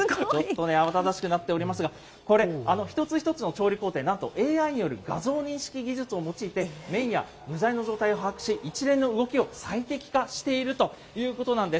慌ただしくなっておりますが、これ、一つ一つの調理工程、なんとＡＩによる画像認識技術を用いて、麺や具材の状態を把握し、一連の動きを最適化しているということなんです。